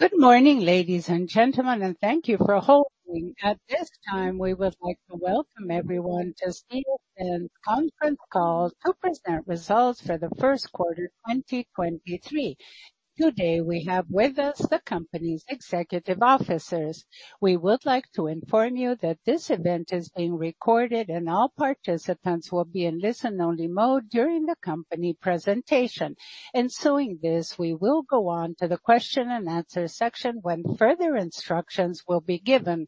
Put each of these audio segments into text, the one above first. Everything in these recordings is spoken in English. Good morning, ladies and gentlemen. Thank you for holding. At this time, we would like to welcome everyone to CSN's conference call to present results for the first quarter 2023. Today, we have with us the company's executive officers. We would like to inform you that this event is being recorded and all participants will be in listen-only mode during the company presentation. Ensuing this, we will go on to the question-and-answer section when further instructions will be given.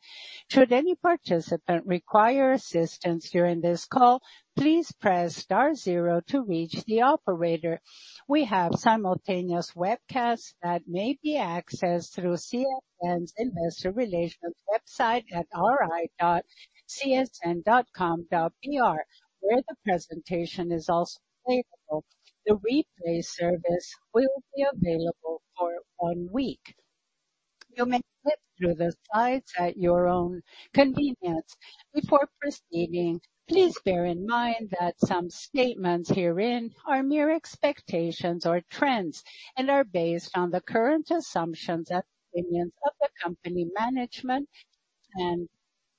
Should any participant require assistance during this call, please press star zero to reach the operator. We have simultaneous webcasts that may be accessed through CSN's investor relations website at ri.csn.com.br, where the presentation is also available. The replay service will be available for one week. You may flip through the slides at your own convenience. Before proceeding, please bear in mind that some statements herein are mere expectations or trends and are based on the current assumptions and opinions of the company management.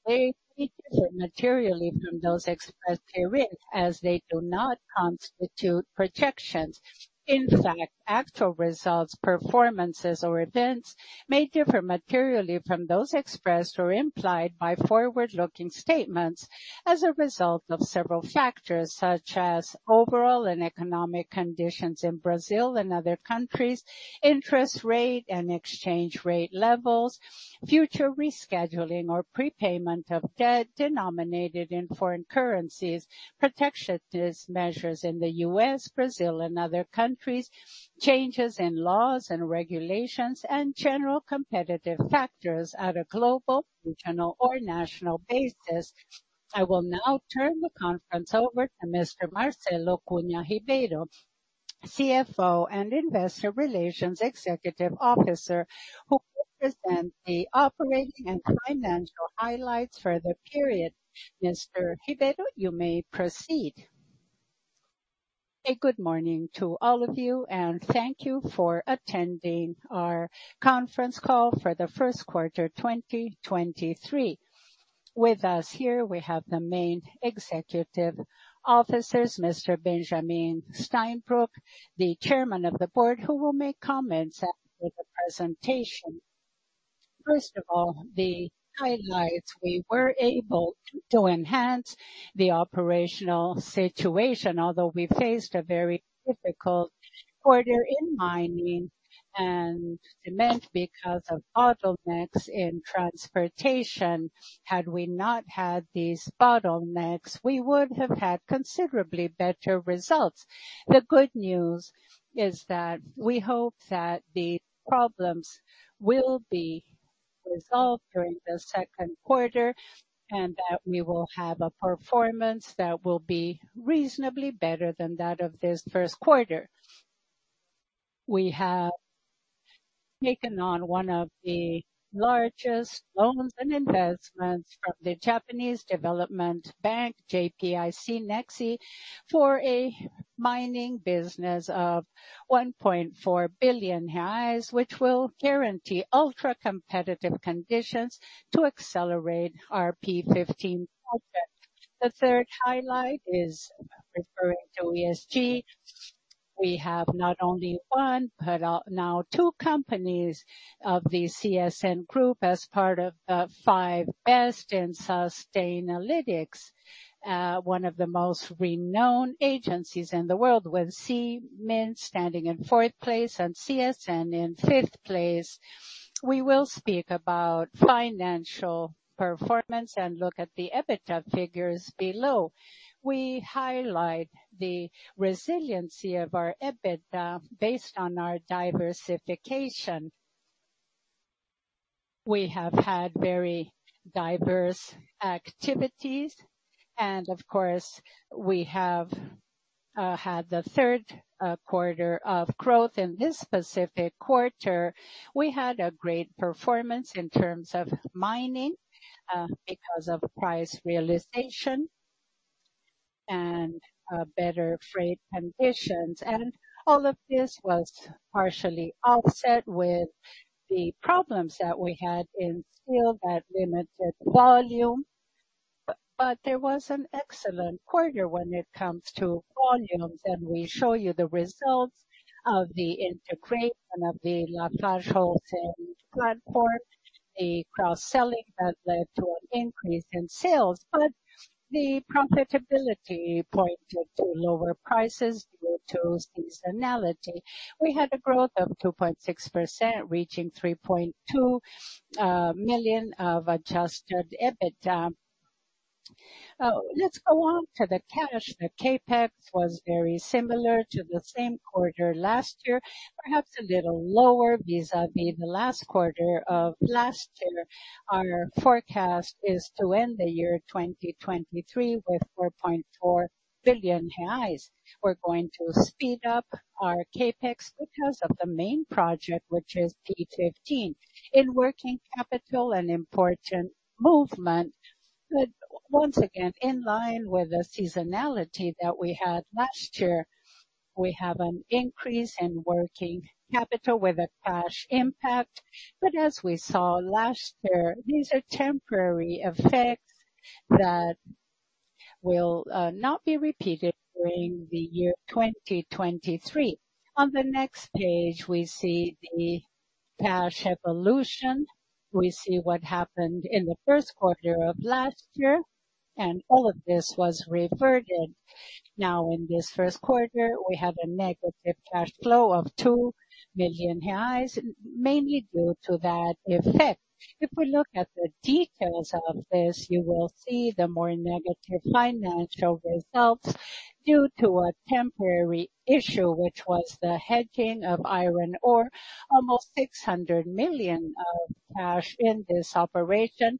They differ materially from those expressed herein as they do not constitute projections. In fact, actual results, performances or events may differ materially from those expressed or implied by forward-looking statements as a result of several factors, such as overall and economic conditions in Brazil and other countries, interest rate and exchange rate levels, future rescheduling or prepayment of debt denominated in foreign currencies, protectionist measures in the U.S., Brazil and other countries, changes in laws and regulations, and general competitive factors at a global, regional or national basis. I will now turn the conference over to Mr. Marcelo Cunha Ribeiro, CFO and Investor Relations Executive Officer, who will present the operating and financial highlights for the period. Mr. Ribeiro, you may proceed. A good morning to all of you, and thank you for attending our conference call for the first quarter 2023. With us here, we have the main executive officers, Mr. Benjamin Steinbruch, the Chairman of the Board, who will make comments after the presentation. First of all, the highlights. We were able to enhance the operational situation, although we faced a very difficult quarter in mining and demand because of bottlenecks in transportation. Had we not had these bottlenecks, we would have had considerably better results. The good news is that we hope that the problems will be resolved during the second quarter and that we will have a performance that will be reasonably better than that of this first quarter. We have taken on one of the largest loans and investments from the Japanese Development Bank, JBIC, NEXI, for a mining business of 1.4 billion reais, which will guarantee ultra-competitive conditions to accelerate our P15 project. The third highlight is referring to ESG. We have not only one, but now two companies of the CSN group as part of the five best in Sustainalytics, one of the most renowned agencies in the world, with Cemig standing in fourth place and CSN in fifth place. We will speak about financial performance and look at the EBITDA figures below. We highlight the resiliency of our EBITDA based on our diversification. We have had very diverse activities, and of course, we have had the third quarter of growth. In this specific quarter, we had a great performance in terms of mining, because of price realization and better freight conditions. All of this was partially offset with the problems that we had in steel that limited volume. There was an excellent quarter when it comes to volumes, and we show you the results of the integration of the LafargeHolcim platform, the cross-selling that led to an increase in sales. The profitability pointed to lower prices due to seasonality. We had a growth of 2.6%, reaching 3.2 million of Adjusted EBITDA. Let's go on to the cash. The CapEx was very similar to the same quarter last year, perhaps a little lower vis-à-vis the last quarter of last year. Our forecast is to end the year 2023 with 4.4 billion reais. We're going to speed up our CapEx because of the main project, which is P15. In working capital, an important movement, but once again, in line with the seasonality that we had last year. We have an increase in working capital with a cash impact. But as we saw last year, these are temporary effects that will not be repeated during the year 2023. On the next page, we see the cash evolution. We see what happened in the first quarter of last year, and all of this was reverted. Now, in this first quarter, we had a negative cash flow of 2 million reais, mainly due to that effect. If we look at the details of this, you will see the more negative financial results due to a temporary issue, which was the hedging of iron ore, almost 600 million of cash in this operation.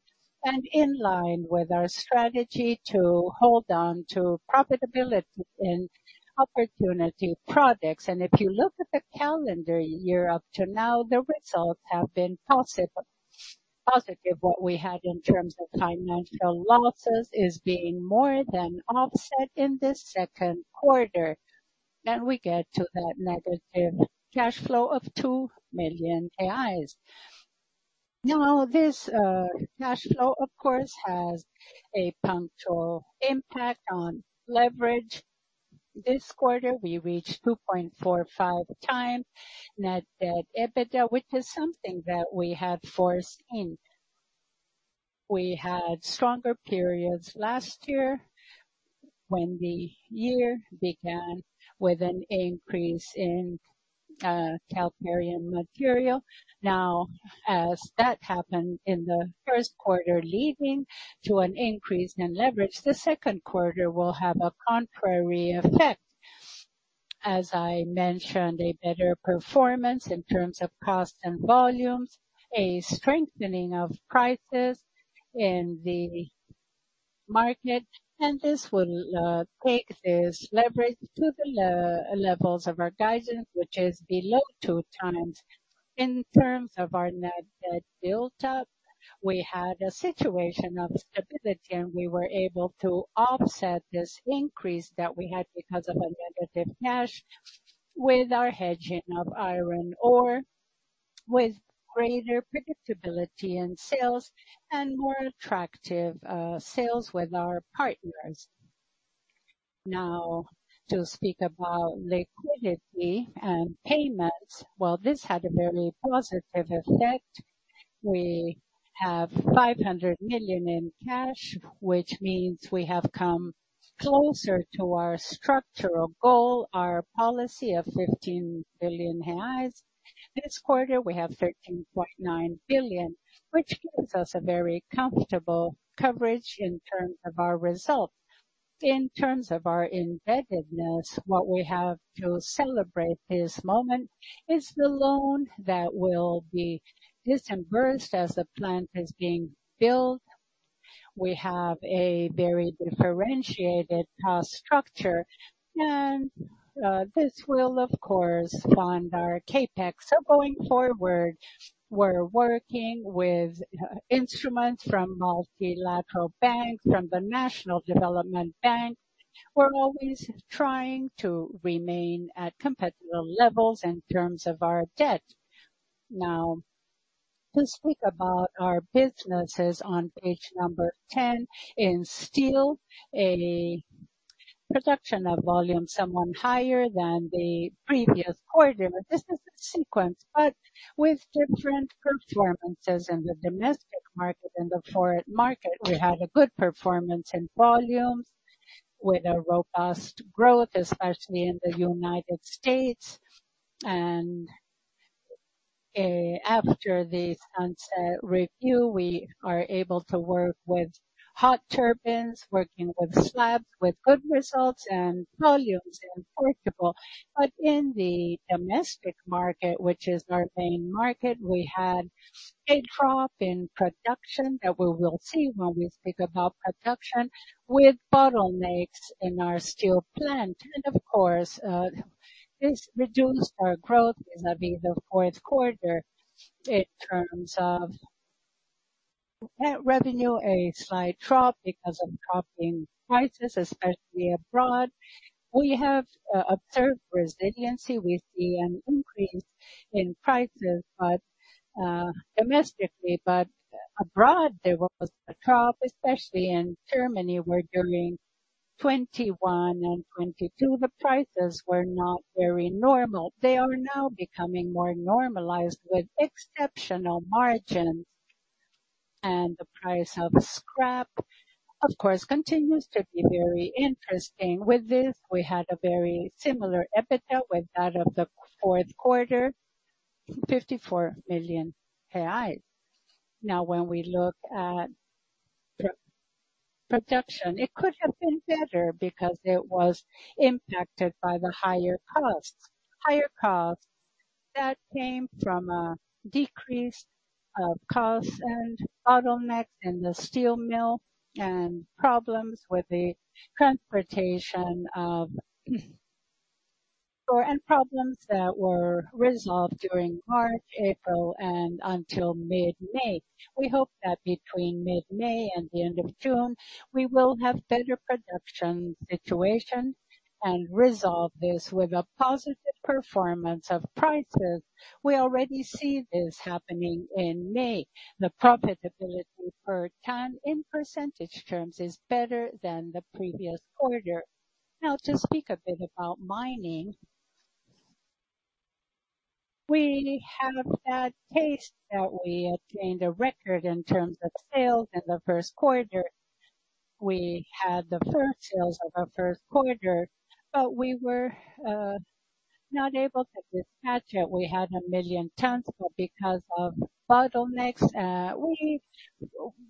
In line with our strategy to hold on to profitability in opportunity products. If you look at the calendar year up to now, the results have been positive. What we had in terms of financial losses is being more than offset in the second quarter. We get to that negative cash flow of 2 million reais. This cash flow, of course, has a punctual impact on leverage. This quarter, we reached 2.45x Net Debt/EBITDA, which is something that we had foreseen. We had stronger periods last year when the year began with an increase in calcareous material. As that happened in the first quarter, leading to an increase in leverage, the second quarter will have a contrary effect. As I mentioned, a better performance in terms of cost and volumes, a strengthening of prices in the market, and this will take this leverage to the levels of our guidance, which is below 2x. In terms of our Net Debt built up, we had a situation of stability, and we were able to offset this increase that we had because of a negative cash with our hedging of iron ore, with greater predictability in sales and more attractive sales with our partners. Now, to speak about liquidity and payments. While this had a very positive effect, we have 500 million in cash, which means we have come closer to our structural goal, our policy of 15 billion reais. This quarter, we have 13.9 billion, which gives us a very comfortable coverage in terms of our result. In terms of our indebtedness, what we have to celebrate this moment is the loan that will be disbursed as the plant is being built. We have a very differentiated cost structure and this will of course fund our CapEx. Going forward, we're working with instruments from multilateral banks, from the National Development Bank. We're always trying to remain at competitive levels in terms of our debt. To speak about our businesses on page number 10. In steel, a production of volume somewhat higher than the previous quarter. This is a sequence, but with different performances in the domestic market and the foreign market. We had a good performance in volumes with a robust growth, especially in the United States. After the sunset review, we are able to work with hot-rolled bands, working with slabs, with good results and volumes in Portugal. In the domestic market, which is our main market, we had a drop in production that we will see when we speak about production with bottlenecks in our steel plant. Of course, this reduced our growth vis-à-vis the fourth quarter in terms of net revenue, a slight drop because of dropping prices, especially abroad. We have observed resiliency. We see an increase in prices domestically, but abroad, there was a drop, especially in Germany, where during 2021 and 2022 the prices were not very normal. They are now becoming more normalized with exceptional margins. The price of scrap, of course, continues to be very interesting. With this, we had a very similar EBITDA with that of the fourth quarter, 54 million. When we look at pro-production, it could have been better because it was impacted by the higher costs. Higher costs that came from a decrease of costs and bottlenecks in the steel mill and problems with the transportation of ore and problems that were resolved during March, April, and until mid-May. We hope that between mid-May and the end of June, we will have better production situation and resolve this with a positive performance of prices. We already see this happening in May. The profitability per ton in percentage terms is better than the previous quarter. Now to speak a bit about mining. We have a bad taste that we obtained a record in terms of sales in the first quarter. We had the firm sales of our first quarter, but we were not able to dispatch it. We had 1 million tons, but because of bottlenecks, we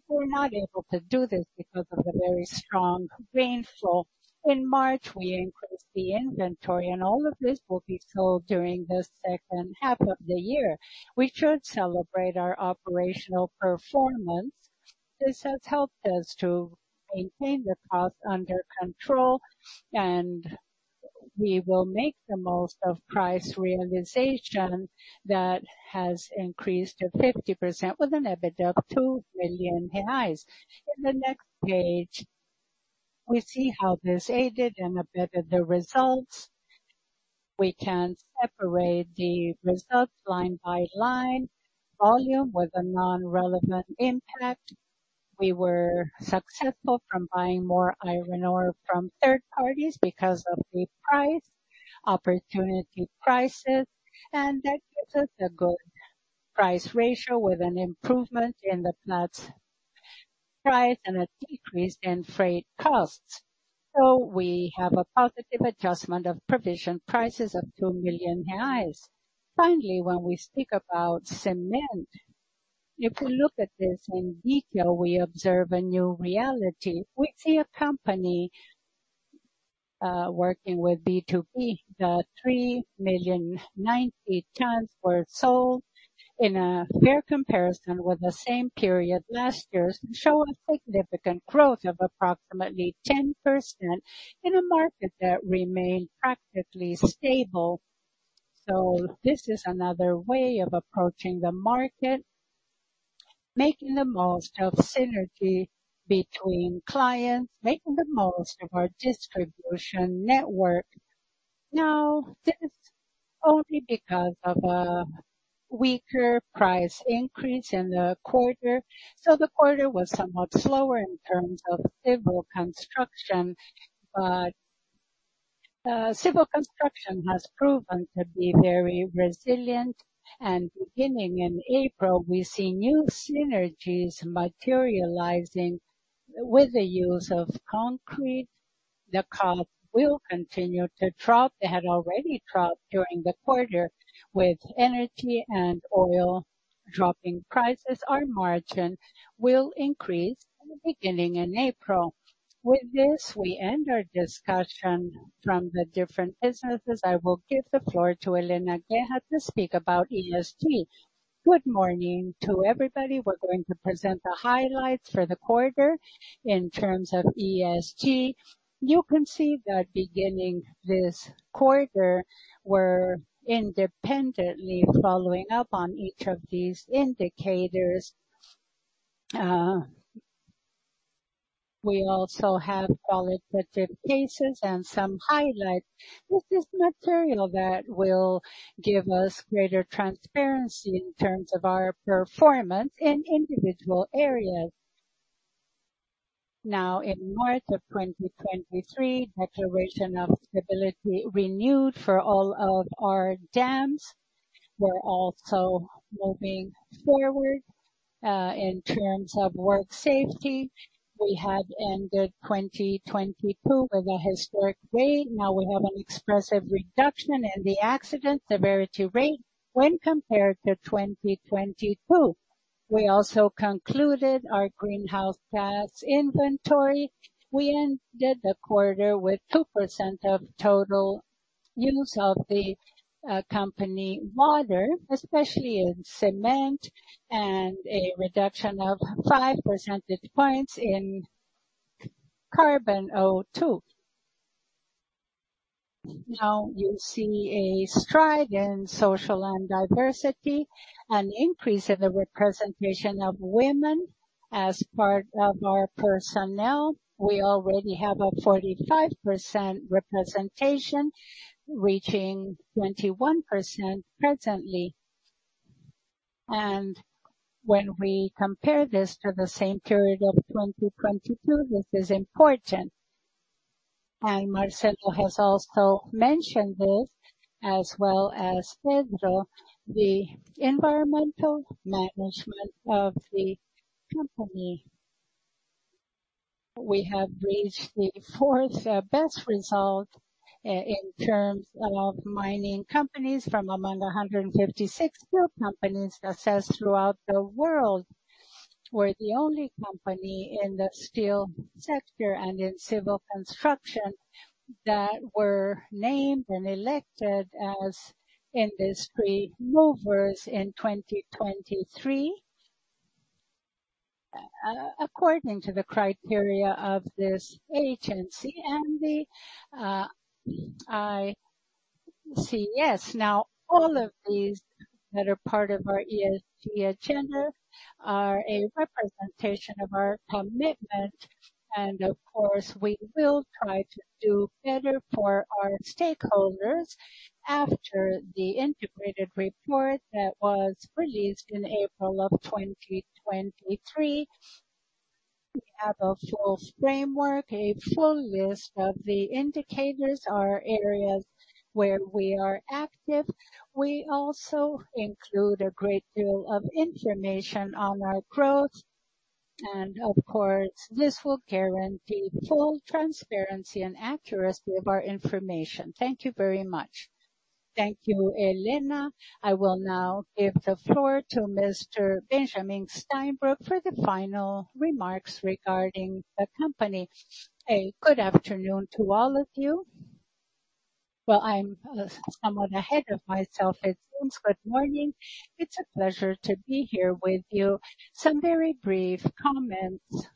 were not able to do this because of the very strong rainfall. In March, we increased the inventory, all of this will be sold during the second half of the year. We should celebrate our operational performance. This has helped us to maintain the cost under control, we will make the most of price realization that has increased to 50% with an EBITDA of 2 billion reais. In the next page, we see how this aided and abetted the results. We can separate the results line by line. Volume was a non-relevant impact. We were successful from buying more iron ore from third parties because of the price, opportunity prices, that gives us a good price ratio with an improvement in the flat's price and a decrease in freight costs. We have a positive adjustment of provision prices of 2 million reais. When we speak about cement, if we look at this in detail, we observe a new reality. We see a company working with B2B. The 3,090,000 tons were sold in a fair comparison with the same period last year to show a significant growth of approximately 10% in a market that remained practically stable. This is another way of approaching the market, making the most of synergy between clients, making the most of our distribution network. This only because of a weaker price increase in the quarter. The quarter was somewhat slower in terms of civil construction. Civil construction has proven to be very resilient. Beginning in April, we see new synergies materializing with the use of concrete. The COP will continue to drop. They had already dropped during the quarter. With energy and oil dropping prices, our margin will increase beginning in April. With this, we end our discussion from the different businesses. I will give the floor to Helena Guerra to speak about ESG. Good morning to everybody. We're going to present the highlights for the quarter in terms of ESG. You can see that beginning this quarter, we're independently following up on each of these indicators. We also have qualitative cases and some highlights. This is material that will give us greater transparency in terms of our performance in individual areas. Now, in March of 2023, declaration of stability renewed for all of our dams. We're also moving forward, in terms of work safety. We had ended 2022 with a historic rate. Now we have an expressive reduction in the accident severity rate when compared to 2022. We also concluded our greenhouse gas inventory. We ended the quarter with 2% of total use of the company water, especially in cement, and a reduction of 5 percentage points in CO2. You see a stride in social and diversity, an increase in the representation of women as part of our personnel. We already have a 45% representation, reaching 21% presently. When we compare this to the same period of 2022, this is important. Marcelo has also mentioned this, as well as Pedro, the environmental management of the company. We have reached the fourth best result in terms of mining companies from among 156 steel companies assessed throughout the world. We're the only company in the steel sector and in civil construction that were named and elected as Industry Movers in 2023, according to the criteria of this agency. Yes. Now, all of these that are part of our are a representation of our commitment and of course, we will try to do better for our stakeholders. After the integrated report that was released in April 2023, we have a full framework, a full list of the indicators or areas where we are active. We also include a great deal of information on our growth. Of course, this will guarantee full transparency and accuracy of our information. Thank you very much. Thank you, Helena. I will now give the floor to Mr. Benjamin Steinbruch for the final remarks regarding the company. A good afternoon to all of you. Well, I'm somewhat ahead of myself it seems. Good morning. It's a pleasure to be here with you. Some very brief comments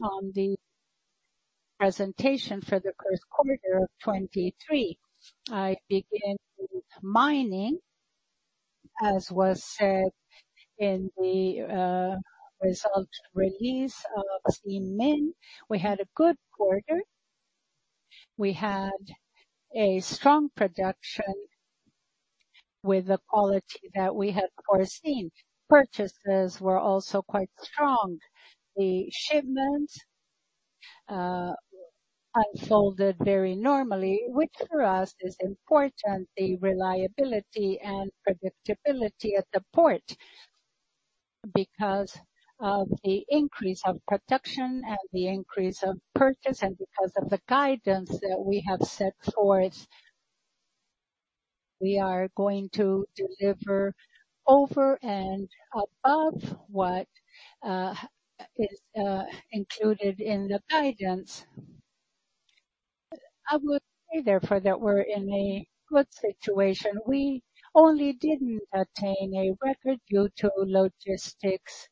on the presentation for the first quarter of 2023. I begin with mining, as was said in the result release. We had a good quarter. We had a strong production with the quality that we had foreseen. Purchases were also quite strong. The shipments unfolded very normally, which for us is important, the reliability and predictability at the port. Because of the increase of production and the increase of purchase, and because of the guidance that we have set forth, we are going to deliver over and above what is included in the guidance. I would say therefore that we're in a good situation. We only didn't attain a record due to logistics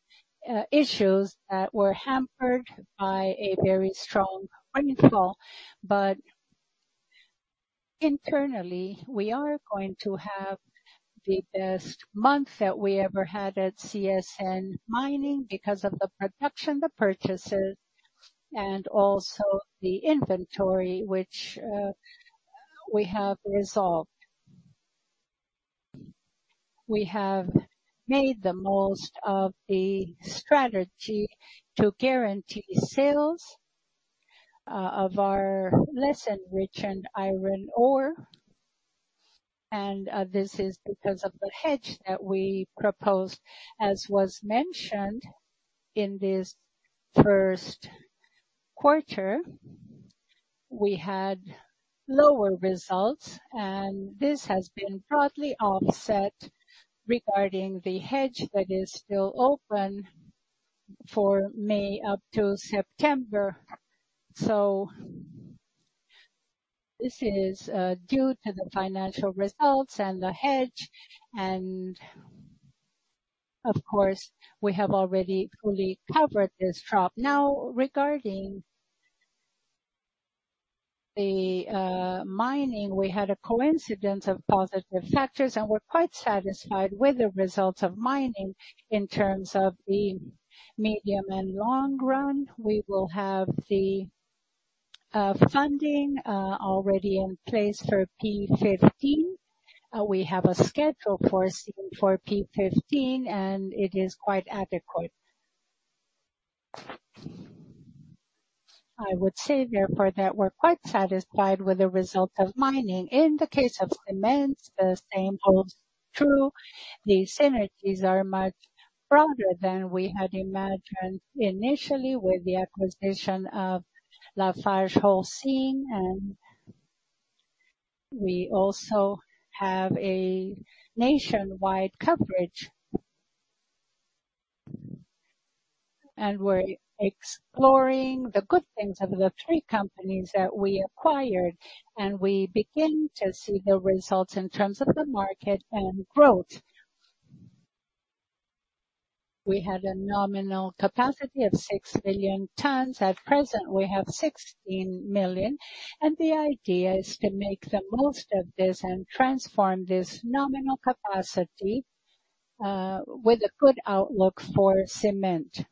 issues that were hampered by a very strong rainfall. Internally, we are going to have the best month that we ever had at CSN Mining because of the production, the purchases, and also the inventory which we have resolved. We have made the most of the strategy to guarantee sales of our less enriched iron ore, and this is because of the hedge that we proposed. As was mentioned in this first quarter, we had lower results, and this has been broadly offset regarding the hedge that is still open for May up to September. This is due to the financial results and the hedge. Of course, we have already fully covered this drop. Regarding the mining, we had a coincidence of positive factors, and we're quite satisfied with the results of mining in terms of the medium and long run. We will have the funding already in place for P15. We have a schedule foreseen for P15, and it is quite adequate. I would say therefore that we're quite satisfied with the result of mining. In the case of cements, the same holds true. The synergies are much broader than we had imagined initially with the acquisition of LafargeHolcim, and we also have a nationwide coverage. We're exploring the good things of the three companies that we acquired, and we begin to see the results in terms of the market and growth. We had a nominal capacity of 6 million tons. At present, we have 16 million, and the idea is to make the most of this and transform this nominal capacity, with a good outlook for cement.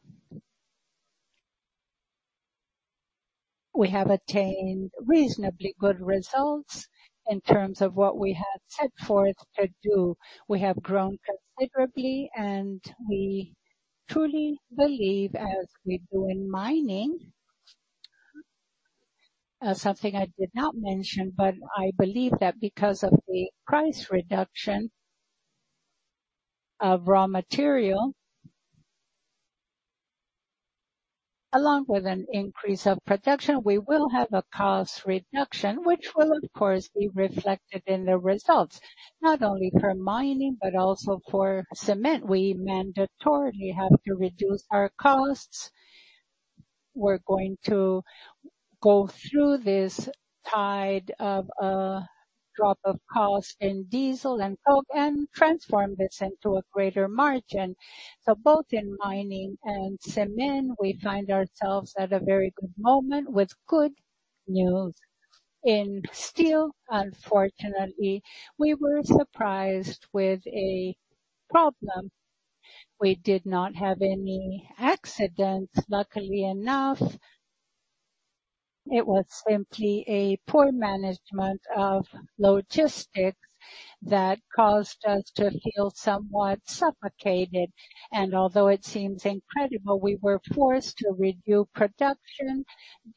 We have attained reasonably good results in terms of what we have set forth to do. We have grown considerably, and we truly believe as we do in mining. Something I did not mention, but I believe that because of the price reduction of raw material, along with an increase of production, we will have a cost reduction, which will of course, be reflected in the results, not only for mining, but also for cement. We mandatorily have to reduce our costs. We're going to go through this tide of a drop of cost in diesel and coke and transform this into a greater margin. Both in mining and cement, we find ourselves at a very good moment with good news. In steel, unfortunately, we were surprised with a problem. We did not have any accidents, luckily enough. It was simply a poor management of logistics that caused us to feel somewhat suffocated. Although it seems incredible, we were forced to reduce production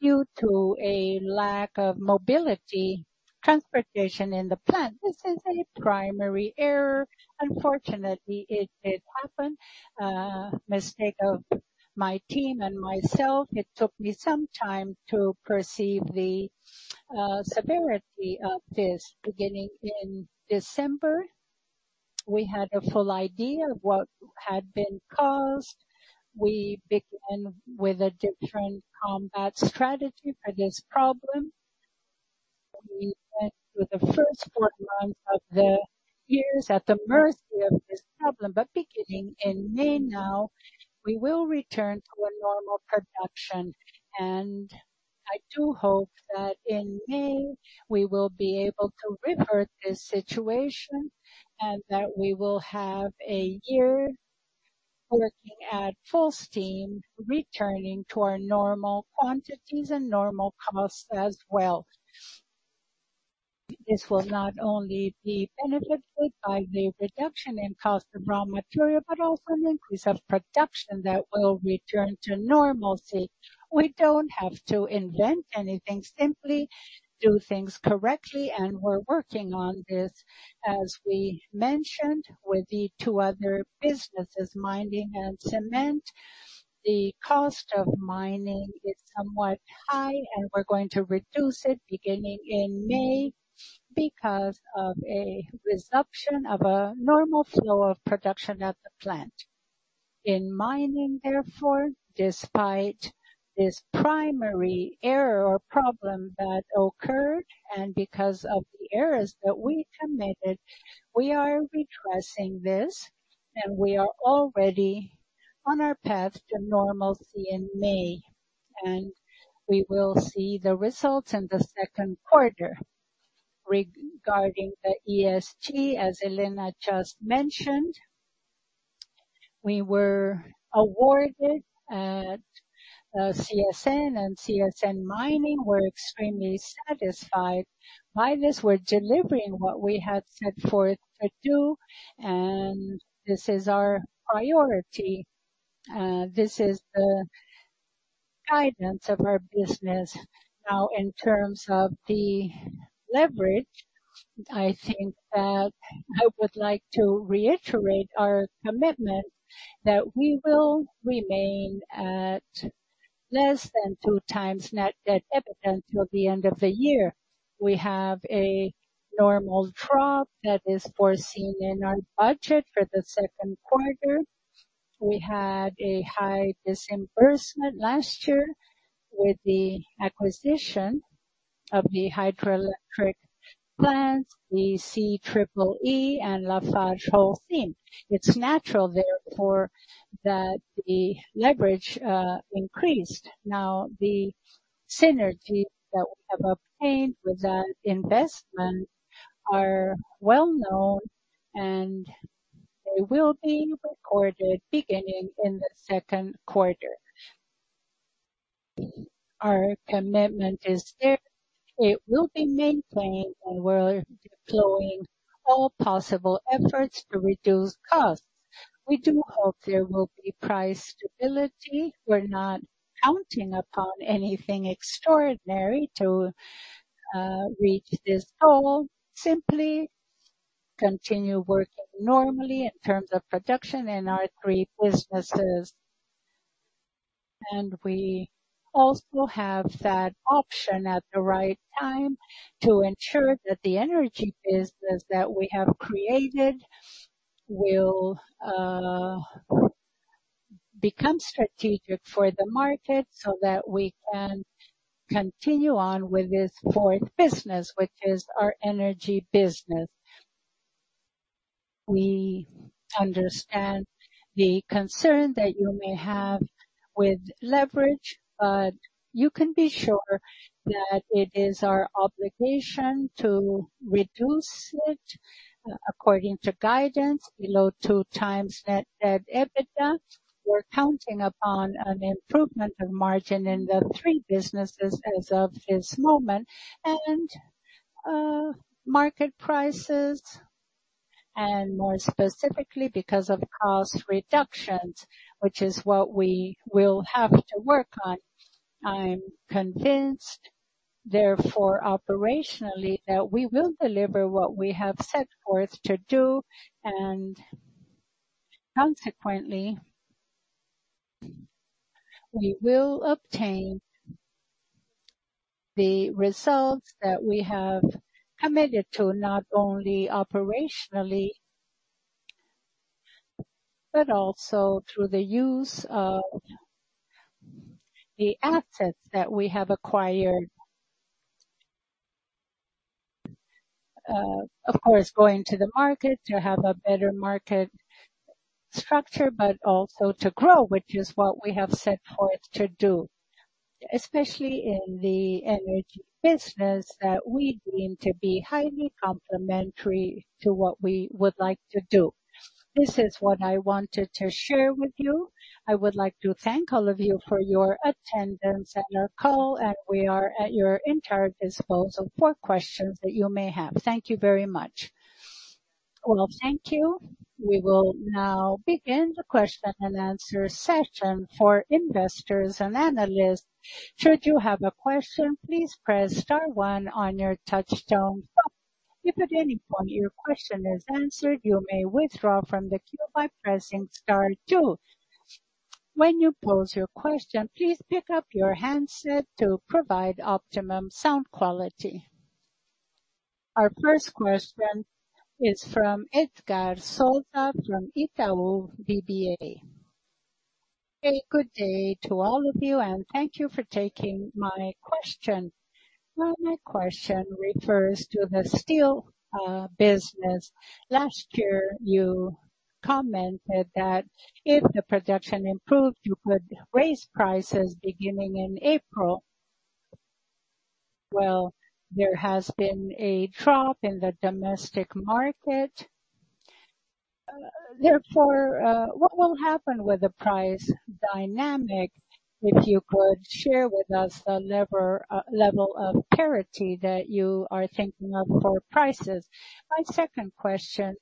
due to a lack of mobility transportation in the plant. This is a primary error. Unfortunately, it did happen, mistake of my team and myself. It took me some time to perceive the severity of this beginning in December. We had a full idea of what had been caused. We began with a different combat strategy for this problem. We went through the first four months of the years at the mercy of this problem, beginning in May now, we will return to a normal production. I do hope that in May we will be able to revert this situation and that we will have a year working at full steam, returning to our normal quantities and normal costs as well. This will not only be beneficial by the reduction in cost of raw material, but also an increase of production that will return to normalcy. We don't have to invent anything, simply do things correctly, and we're working on this. As we mentioned with the two other businesses, mining and cement. The cost of mining is somewhat high, and we're going to reduce it beginning in May because of a resumption of a normal flow of production at the plant. In mining, therefore, despite this primary error or problem that occurred, and because of the errors that we committed, we are redressing this, and we are already on our path to normalcy in May, and we will see the results in the second quarter. Regarding the ESG, as Helena just mentioned, we were awarded at CSN, and CSN Mining were extremely satisfied. Miners were delivering what we had set forth to do, and this is our priority. This is the guidance of our business. Now, in terms of the leverage, I think that I would like to reiterate our commitment that we will remain at less than 2x Net Debt EBITDA until the end of the year. We have a normal drop that is foreseen in our budget for the second quarter. We had a high disbursement last year with the acquisition of the hydroelectric plants, the CEEE and LafargeHolcim. It's natural, therefore, that the leverage increased. The synergies that we have obtained with that investment are well known, and they will be recorded beginning in the second quarter. Our commitment is there. It will be maintained, and we're deploying all possible efforts to reduce costs. We do hope there will be price stability. We're not counting upon anything extraordinary to reach this goal. Simply continue working normally in terms of production in our three businesses. We also have that option at the right time to ensure that the energy business that we have created will become strategic for the market so that we can continue on with this fourth business, which is our energy business. We understand the concern that you may have with leverage, but you can be sure that it is our obligation to reduce it according to guidance below two times net debt EBITDA. We're counting upon an improvement of margin in the three businesses as of this moment and, market prices, and more specifically because of cost reductions, which is what we will have to work on. I'm convinced, therefore, operationally, that we will deliver what we have set forth to do, and consequently, we will obtain the results that we have committed to, not only operationally, but also through the use of the assets that we have acquired. Of course, going to the market to have a better market structure, also to grow, which is what we have set forth to do. Especially in the energy business that we deem to be highly complementary to what we would like to do. This is what I wanted to share with you. I would like to thank all of you for your attendance at our call. We are at your entire disposal for questions that you may have. Thank you very much. Well, thank you. We will now begin the question and answer session for investors and analysts. Should you have a question, please press star one on your touchtone phone. If at any point your question is answered, you may withdraw from the queue by pressing star two. When you pose your question, please pick up your handset to provide optimum sound quality. Our first question is from Edgard de Souza from Itaú BBA. A good day to all of you, thank you for taking my question. Well, my question refers to the steel business. Last year you commented that if the production improved, you could raise prices beginning in April. Well, there has been a drop in the domestic market. Therefore, what will happen with the price dynamic? If you could share with us the level of parity that you are thinking of for prices. My second question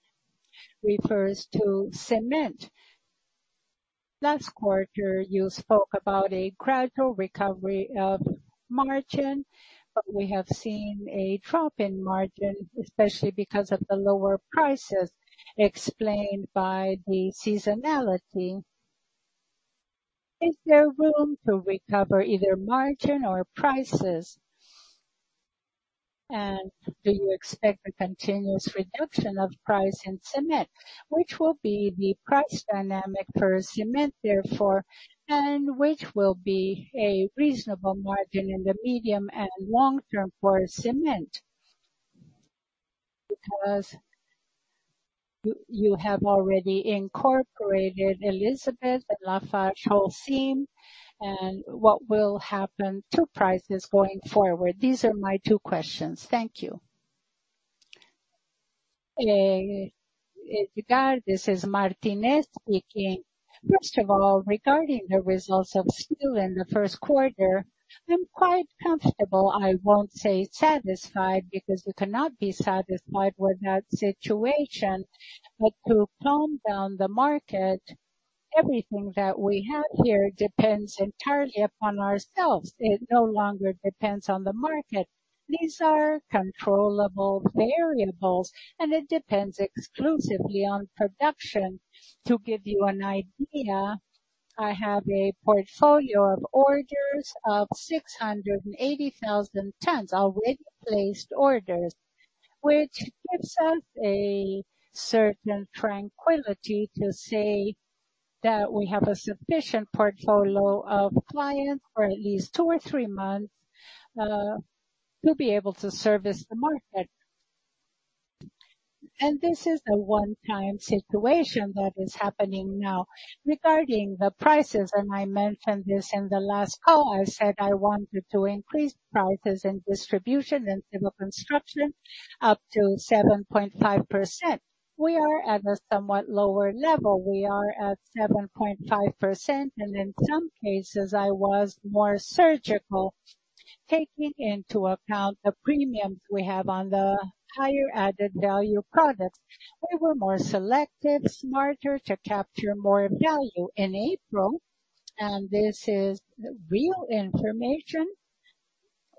refers to cement. Last quarter you spoke about a gradual recovery of margin, but we have seen a drop in margin, especially because of the lower prices explained by the seasonality. Is there room to recover either margin or prices? Do you expect a continuous reduction of price in cement, which will be the price dynamic for cement therefore, and which will be a reasonable margin in the medium and long term for cement? You have already incorporated Elizabeth and LafargeHolcim and what will happen to prices going forward. These are my two questions. Thank you. Hey, Edgar, this is Martinez speaking. First of all, regarding the results of steel in the first quarter, I'm quite comfortable. I won't say satisfied because you cannot be satisfied with that situation. To calm down the market, everything that we have here depends entirely upon ourselves. It no longer depends on the market. These are controllable variables, and it depends exclusively on production. To give you an idea, I have a portfolio of orders of 680,000 tons, already placed orders, which gives us a certain tranquility to say that we have a sufficient portfolio of clients for at least 2 or 3 months to be able to service the market. This is a one-time situation that is happening now. Regarding the prices, and I mentioned this in the last call, I said I wanted to increase prices and distribution in civil construction up to 7.5%. We are at a somewhat lower level. We are at 7.5%, and in some cases I was more surgical, taking into account the premiums we have on the higher added value products. We were more selective, smarter to capture more value. In April, this is real information,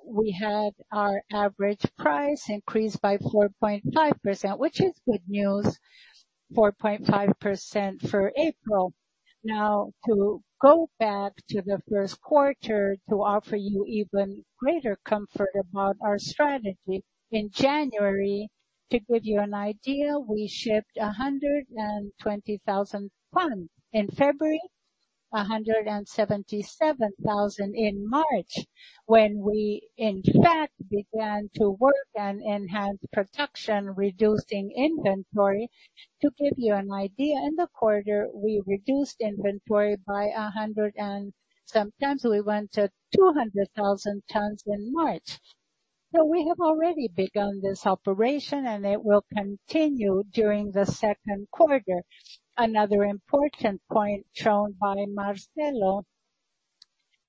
we had our average price increased by 4.5%, which is good news, 4.5% for April. To go back to the first quarter to offer you even greater comfort about our strategy. In January, to give you an idea, we shipped 120,000 tons. In February, 177,000. In March, when we in fact began to work and enhance production, reducing inventory. To give you an idea, in the quarter we reduced inventory by 100 and some tons. We went to 200,000 tons in March. We have already begun this operation and it will continue during the second quarter. Another important point shown by Marcelo,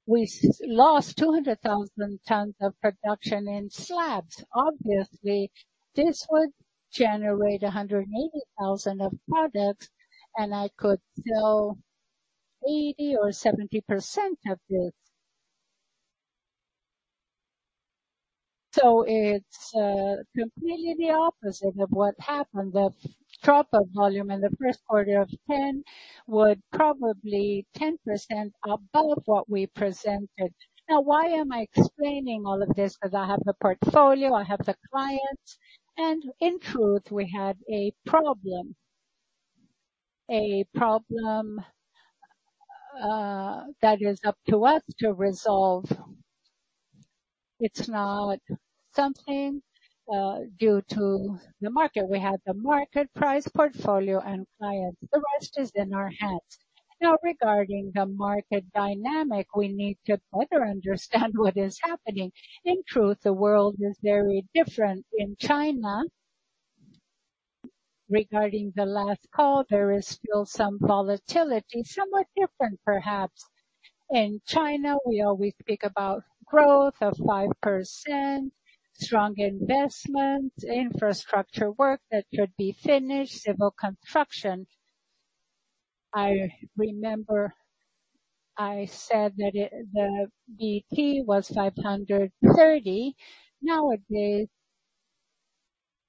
we lost 200,000 tons of production in slabs. Obviously, this would generate 180,000 of products and I could sell 80% or 70% of this. It's completely the opposite of what happened. The drop of volume in the first quarter of 10 would probably 10% above what we presented. Why am I explaining all of this? Because I have the portfolio, I have the clients, and in truth, we had a problem. A problem that is up to us to resolve. It's not something due to the market. We have the market price, portfolio and clients. The rest is in our hands. Regarding the market dynamic, we need to further understand what is happening. In truth, the world is very different. In China, regarding the last call, there is still some volatility, somewhat different, perhaps. In China, we always speak about growth of 5%, strong investment, infrastructure work that should be finished, civil construction. I remember I said that the BT was 530. Nowadays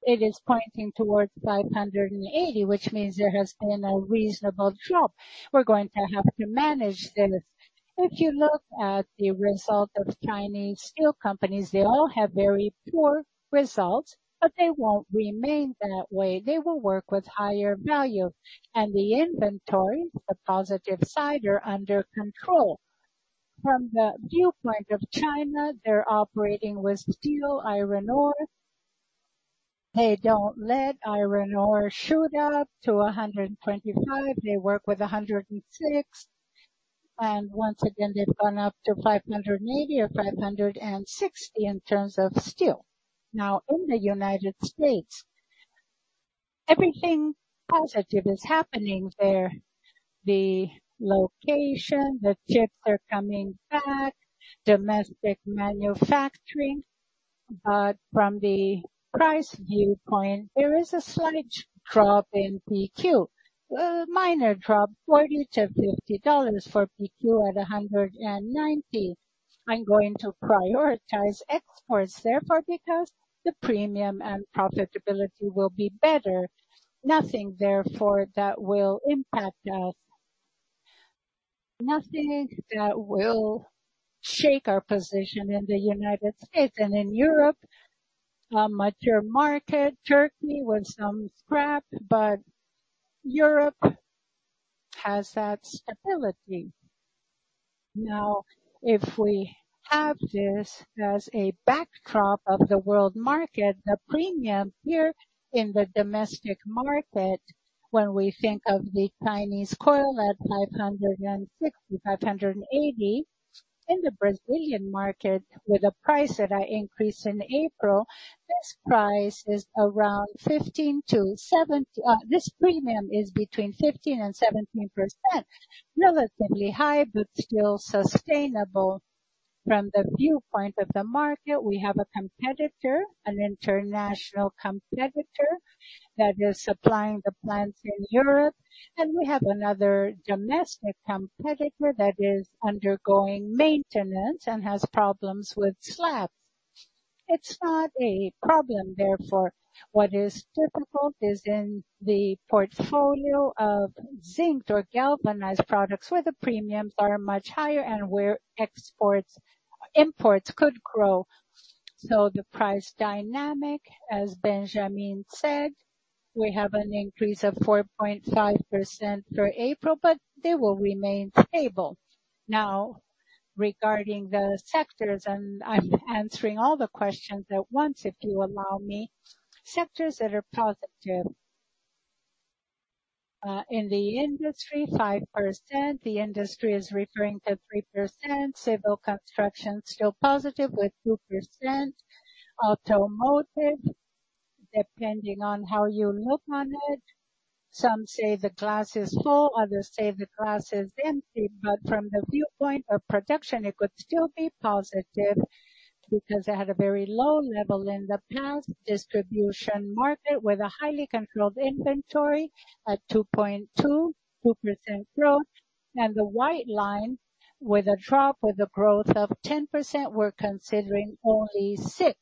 it is pointing towards 580, which means there has been a reasonable drop. We're going to have to manage this. If you look at the result of Chinese steel companies, they all have very poor results, they won't remain that way. They will work with higher value. The inventory, the positive side, are under control. From the viewpoint of China, they're operating with steel, iron ore. They don't let iron ore shoot up to 125. They work with 106. Once again, they've gone up to 580 or 560 in terms of steel. In the United States, everything positive is happening there. The location, the chips are coming back, domestic manufacturing. From the price viewpoint, there is a slight drop in PQ. Minor drop, $40-$50 for PQ at $190. I'm going to prioritize exports therefore, because the premium and profitability will be better. Nothing therefore that will impact us. Nothing that will shake our position in the United States. In Europe, a mature market, Turkey with some scrap, but Europe has that stability. If we have this as a backdrop of the world market, the premium here in the domestic market, when we think of the Chinese coil at $560, $580. In the Brazilian market, with a price that I increased in April, this premium is between 15% and 17%. Relatively high, but still sustainable from the viewpoint of the market. We have a competitor, an international competitor, that is supplying the plants in Europe, and we have another domestic competitor that is undergoing maintenance and has problems with slab. It's not a problem, therefore. What is difficult is in the portfolio of zinc or galvanized products, where the premiums are much higher and where imports could grow. The price dynamic, as Benjamin said, we have an increase of 4.5% for April, but they will remain stable. Regarding the sectors, and I'm answering all the questions at once, if you allow me. Sectors that are positive. In the industry, 5%. The industry is referring to 3%. Civil construction, still positive with 2%. Automotive, depending on how you look on it. Some say the glass is full, others say the glass is empty. From the viewpoint of production, it could still be positive because it had a very low level in the past. Distribution market with a highly controlled inventory at 2.2% growth. The white line with a drop with a growth of 10%, we're considering only 6%.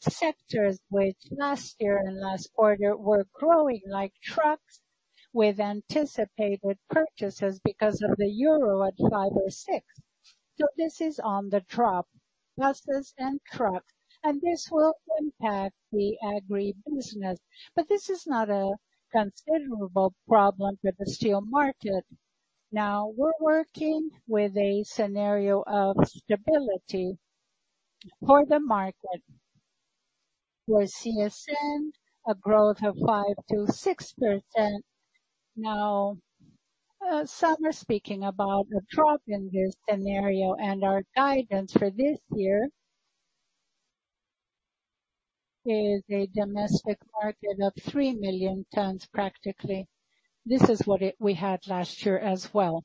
Sectors which last year and last quarter were growing like trucks with anticipated purchases because of the EUR at 5% or 6%. This is on the drop, buses and trucks, and this will impact the agribusiness. This is not a considerable problem with the steel market. Now, we're working with a scenario of stability for the market. For CSN, a growth of 5%-6%. Some are speaking about a drop in this scenario and our guidance for this year is a domestic market of 3 million tons, practically. This is what we had last year as well.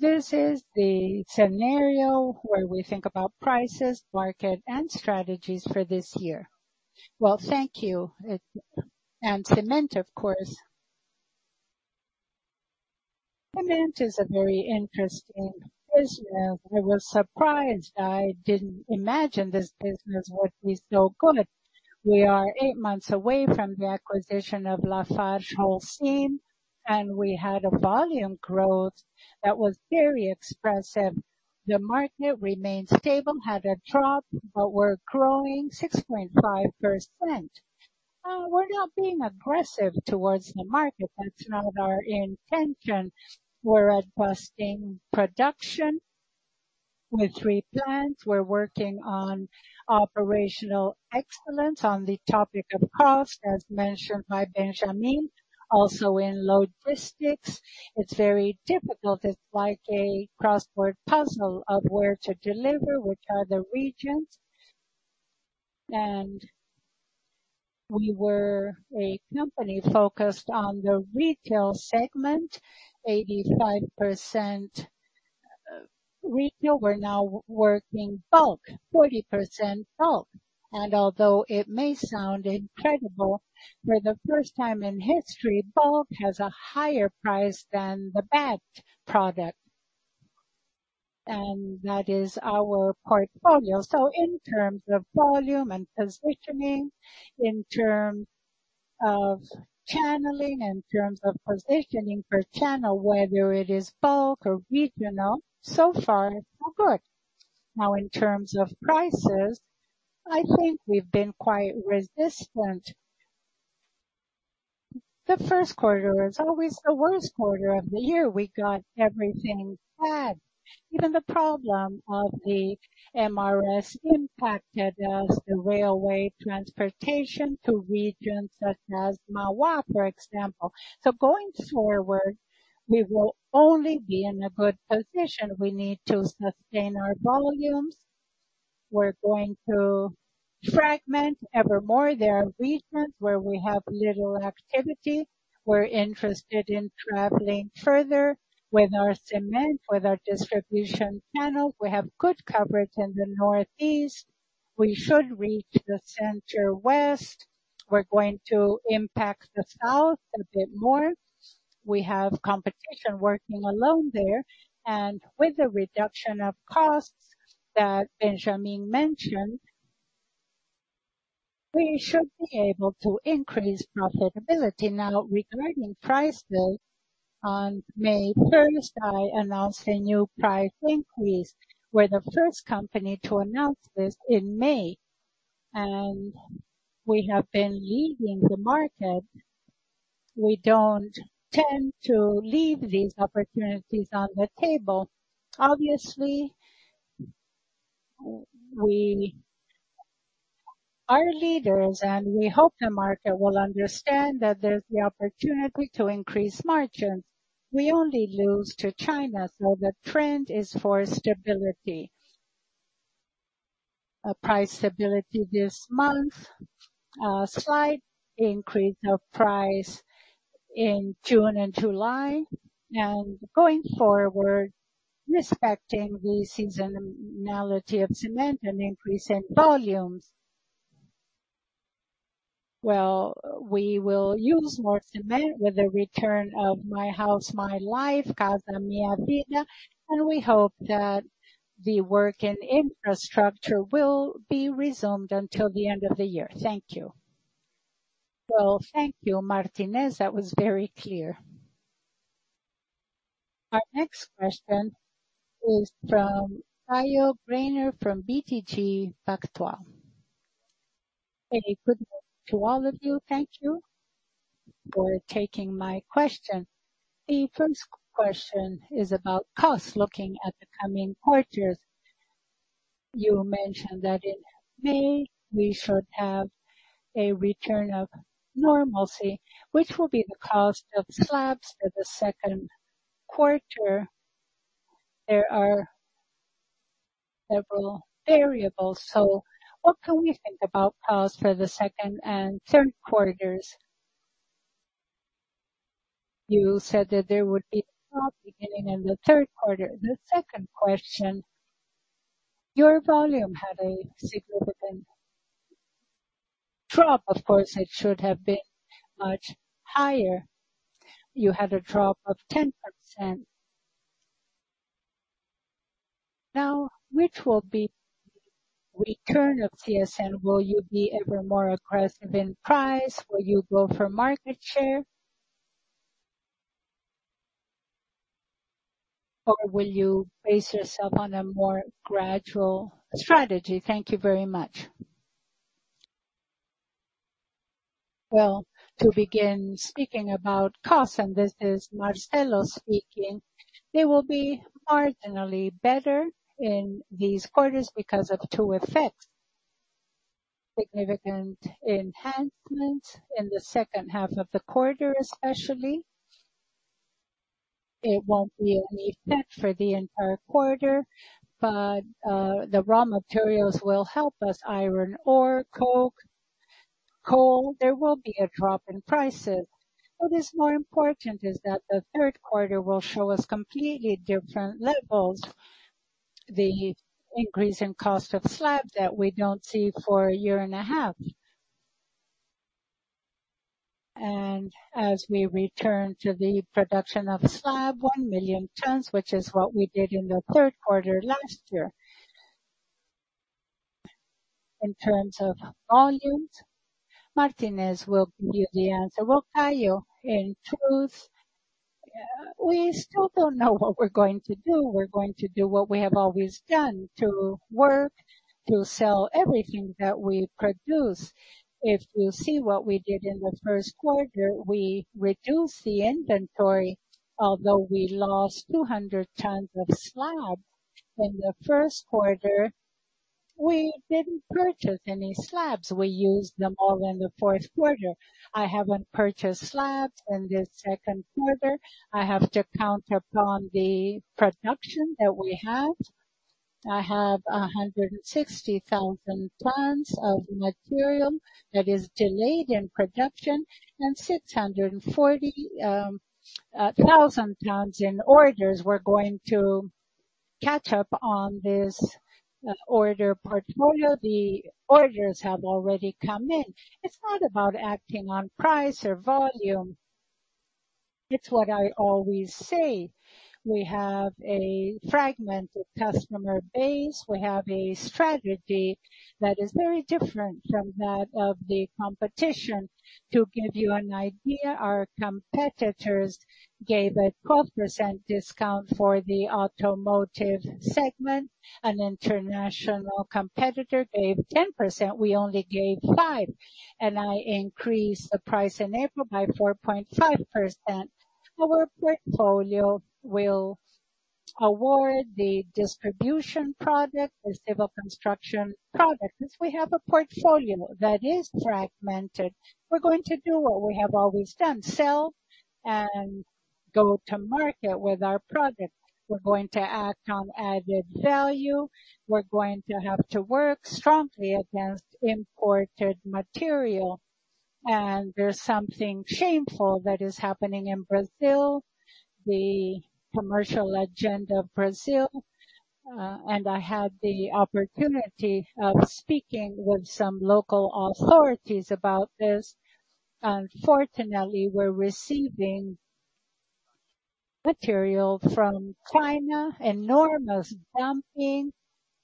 This is the scenario where we think about prices, market, and strategies for this year. Well, thank you. Cement, of course. Cement is a very interesting business. I was surprised. I didn't imagine this business would be so good. We are eight months away from the acquisition of LafargeHolcim, and we had a volume growth that was very expressive. The market remained stable, had a drop, but we're growing 6.5%. We're not being aggressive towards the market. That's not our intention. We're adjusting production with three plants. We're working on operational excellence on the topic of cost, as mentioned by Benjamin, also in logistics. It's very difficult. It's like a crossword puzzle of where to deliver which other regions. We were a company focused on the retail segment, 85% retail. We're now working bulk, 40% bulk. Although it may sound incredible, for the first time in history, bulk has a higher price than the bagged product. That is our portfolio. In terms of volume and positioning, in terms of channeling, in terms of positioning per channel, whether it is bulk or regional, so far, so good. In terms of prices, I think we've been quite resistant. The first quarter is always the worst quarter of the year. We got everything bad. Even the problem of the MRS impacted us, the railway transportation to regions such as Mauá, for example. Going forward, we will only be in a good position. We need to sustain our volumes. We're going to fragment evermore. There are regions where we have little activity. We're interested in traveling further with our cement, with our distribution panel. We have good coverage in the Northeast. We should reach the Center West. We're going to impact the South a bit more. We have competition working alone there. With the reduction of costs that Benjamin mentioned, we should be able to increase profitability. Now, regarding prices, on May first, I announced a new price increase. We're the first company to announce this in May, and we have been leading the market. We don't tend to leave these opportunities on the table. Obviously, we are leaders, and we hope the market will understand that there's the opportunity to increase margins. We only lose to China. The trend is for stability. A price stability this month, a slight increase of price in June and July. Going forward, respecting the seasonality of cement, an increase in volumes. We will use more cement with the return of My House, My Life, Casa Minha Vida. We hope that the work in infrastructure will be resumed until the end of the year. Thank you. Well, thank you, Martinez. That was very clear. Our next question is from Caio Greiner from BTG Pactual. A good morning to all of you. Thank you for taking my question. The first question is about costs looking at the coming quarters. You mentioned that in May, we should have a return of normalcy, which will be the cost of slabs for the second quarter. There are several variables, so what can we think about costs for the second and third quarters? You said that there would be a drop beginning in the third quarter. The second question, your volume had a significant drop. Of course, it should have been much higher. You had a drop of 10%. Now, which will be return of CSN? Will you be ever more aggressive in price? Will you go for market share? Will you base yourself on a more gradual strategy? Thank you very much. To begin speaking about costs, and this is Marcelo speaking, they will be marginally better in these quarters because of two effects. Significant enhancement in the second half of the quarter, especially. It won't be an effect for the entire quarter, but the raw materials will help us. Iron ore, coke, coal. There will be a drop in prices. What is more important is that the 3rd quarter will show us completely different levels. The increase in cost of slab that we don't see for a year and a half. As we return to the production of slab, 1 million tons, which is what we did in the 3rd quarter last year. In terms of volumes, Martinez will give you the answer. Caio, in truth-We still don't know what we're going to do. We're going to do what we have always done, to work, to sell everything that we produce. If you see what we did in the first quarter, we reduced the inventory. Although we lost 200 tons of slab in the first quarter, we didn't purchase any slabs. We used them all in the fourth quarter. I haven't purchased slabs in the second quarter. I have to count upon the production that we have. I have 160,000 tons of material that is delayed in production and 640,000 tons in orders. We're going to catch up on this order portfolio. The orders have already come in. It's not about acting on price or volume. It's what I always say. We have a fragmented customer base. We have a strategy that is very different from that of the competition. To give you an idea, our competitors gave a 12% discount for the automotive segment. An international competitor gave 10%. We only gave 5%. I increased the price in April by 4.5%. Our portfolio will award the distribution product, the civil construction product. Since we have a portfolio that is fragmented, we're going to do what we have always done, sell and go to market with our product. We're going to act on added value. We're going to have to work strongly against imported material. There's something shameful that is happening in Brazil, the commercial agenda of Brazil. I had the opportunity of speaking with some local authorities about this. Unfortunately, we're receiving material from China, enormous dumping,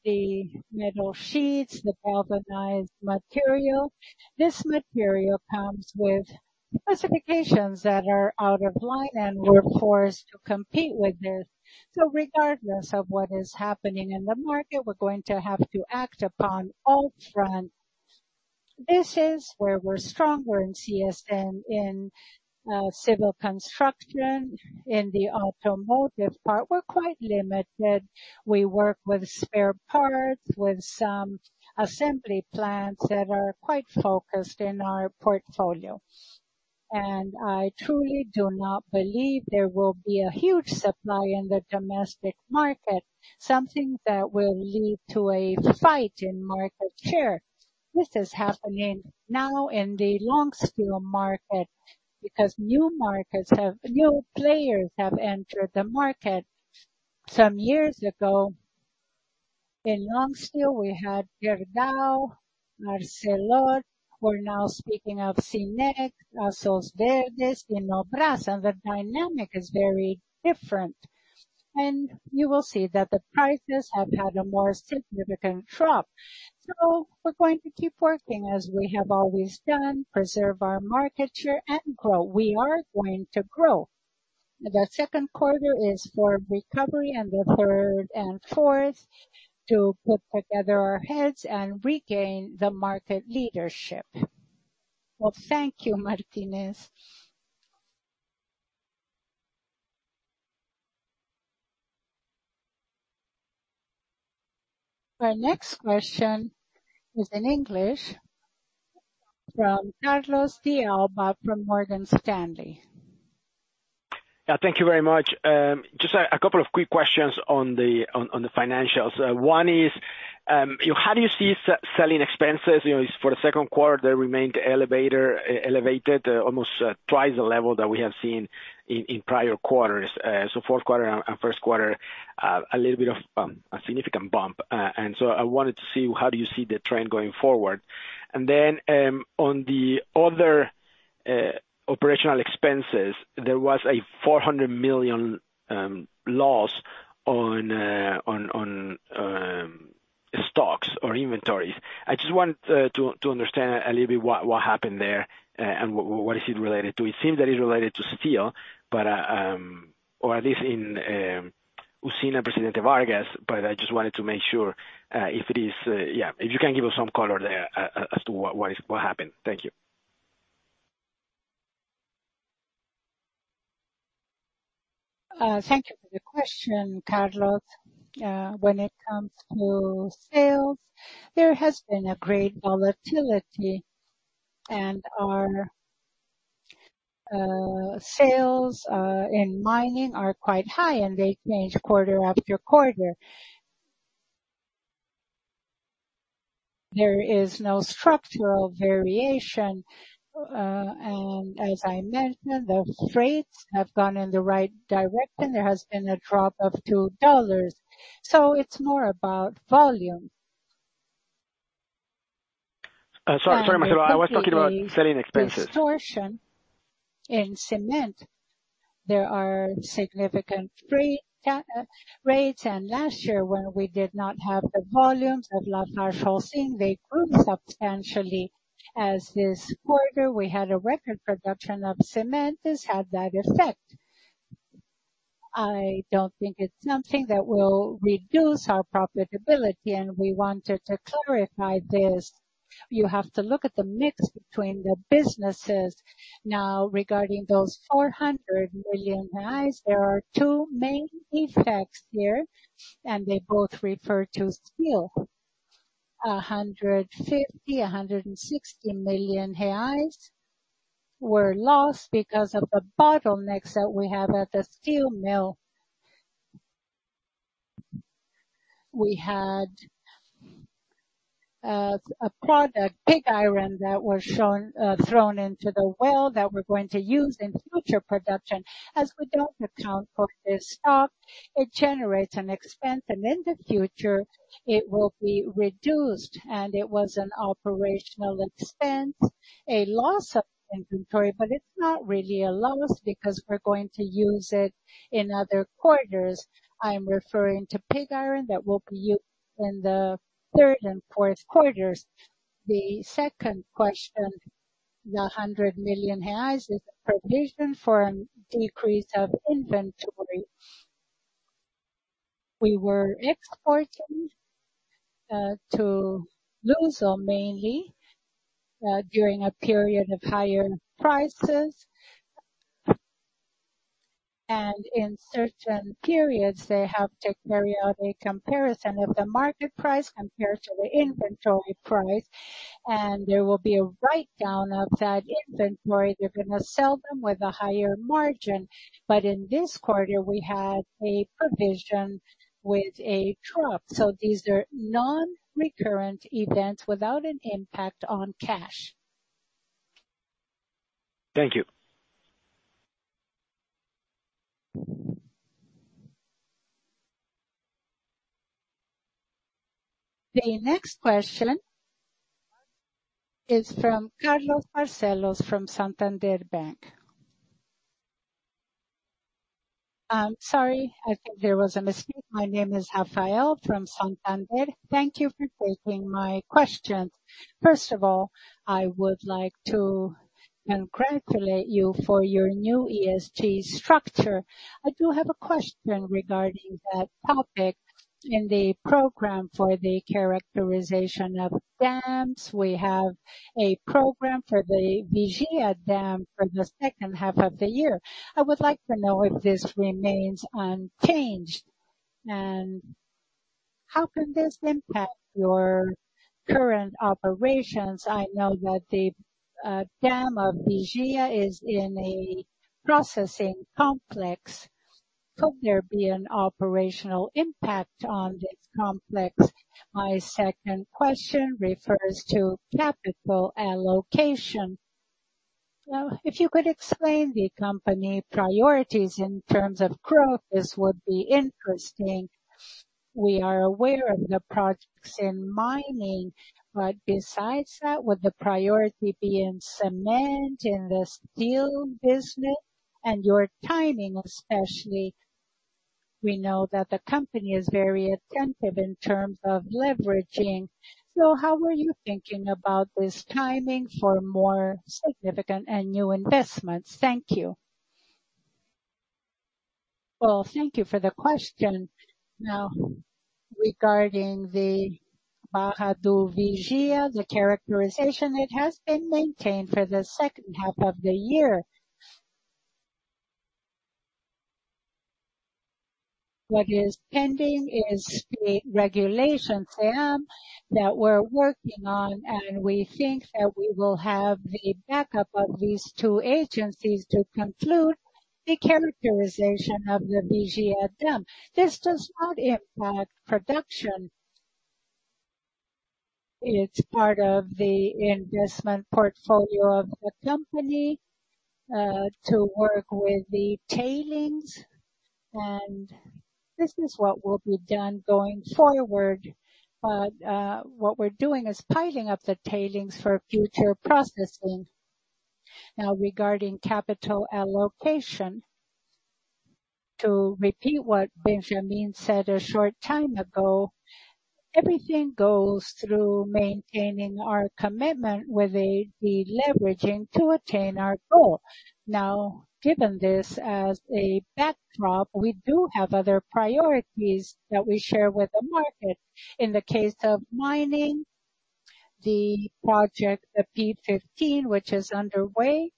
the metal sheets, the galvanized material. This material comes with specifications that are out of line, and we're forced to compete with this. Regardless of what is happening in the market, we're going to have to act upon all fronts. This is where we're stronger in CSN, in civil construction. In the automotive part, we're quite limited. We work with spare parts, with some assembly plants that are quite focused in our portfolio. And I truly do not believe there will be a huge supply in the domestic market, something that will lead to a fight in market share. This is happening now in the long steel market because new players have entered the market. Some years ago, in long steel we had Gerdau, Arcelor. We're now speaking of CSN, Aço Verde, and Nobras, and the dynamic is very different. And you will see that the prices have had a more significant drop. We're going to keep working as we have always done, preserve our market share and grow. We are going to grow. The second quarter is for recovery and the third and fourth to put together our heads and regain the market leadership. Thank you, Martinez. Our next question is in English from Carlos de Alba from Morgan Stanley. Yeah, thank you very much. Just a couple of quick questions on the financials. One is, you know, how do you see selling expenses? You know, for the second quarter, they remained elevated almost twice the level that we have seen in prior quarters. Fourth quarter and first quarter, a little bit of a significant bump. I wanted to see how do you see the trend going forward. On the other operational expenses, there was a 400 million loss on stocks or inventories. I just wanted to understand a little bit what happened there and what is it related to. It seems that it's related to steel, but or at least in Presidente Vargas Steelworks. I just wanted to make sure, if it is, yeah, if you can give us some color there as to what happened. Thank you. Thank you for the question, Carlos. When it comes to sales, there has been a great volatility. Our sales in mining are quite high, and they change quarter after quarter. There is no structural variation. As I mentioned, the freights have gone in the right direction. There has been a drop of $2. It's more about volume. Sorry, Marcelo. I was talking about selling expenses. Distortion in cement. There are significant rates. Last year, when we did not have the volumes at [LATAM], they grew substantially. This quarter, we had a record production of cement, this had that effect. I don't think it's something that will reduce our profitability. We wanted to clarify this. You have to look at the mix between the businesses. Regarding those 400 million, there are two main effects here. They both refer to steel. 150 million-160 million reais were lost because of the bottlenecks that we have at the steel mill. We had a product, pig iron, that was shown, thrown into the well that we're going to use in future production. We don't account for this stock, it generates an expense. In the future, it will be reduced. It was an operational expense, a loss of inventory, but it's not really a loss because we're going to use it in other quarters. I'm referring to pig iron that will be used in the third and fourth quarters. The second question, the 100 million, is a provision for a decrease of inventory. We were exporting to Luzia mainly, during a period of higher prices. In certain periods, they have to carry out a comparison of the market price compared to the inventory price, and there will be a write down of that inventory. They're gonna sell them with a higher margin. In this quarter, we had a provision with a drop. These are non-recurrent events without an impact on cash. Thank you. The next question is from Carlo Barcellos from Santander Bank. Sorry, I think there was a mistake. My name is Rafael from Santander. Thank you for taking my questions. First of all, I would like to congratulate you for your new ESG structure. I do have a question regarding that topic. In the program for the characterization of dams, we have a program for the Vigia Dam for the second half of the year. I would like to know if this remains unchanged, and how can this impact your current operations? I know that the dam of Vigia is in a processing complex. Could there be an operational impact on this complex? My second question refers to capital allocation. If you could explain the company priorities in terms of growth, this would be interesting. We are aware of the projects in mining, but besides that, would the priority be in cement, in the steel business? Your timing, especially. We know that the company is very attentive in terms of leveraging. How are you thinking about this timing for more significant and new investments? Thank you. Thank you for the question. Regarding the Barra do Vigia, the characterization, it has been maintained for the second half of the year. What is pending is the regulations, ANM, that we're working on, and we think that we will have the backup of these two agencies to conclude the characterization of the Vigia Dam. This does not impact production. It's part of the investment portfolio of the company to work with the tailings. This is what will be done going forward. What we're doing is piling up the tailings for future processing. Now, regarding capital allocation, to repeat what Benjamin said a short time ago, everything goes through maintaining our commitment with the deleveraging to attain our goal. Now, given this as a backdrop, we do have other priorities that we share with the market. In the case of mining, the project, the P15, which is underway,